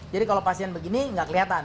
jadi kalau pasien begini gak kelihatan